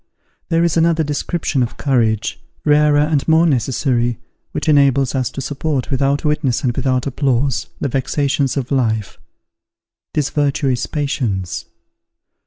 There is another description of courage, rarer and more necessary, which enables us to support, without witness and without applause, the vexations of life; this virtue is patience.